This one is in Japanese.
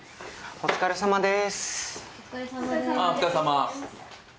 お疲れさまです。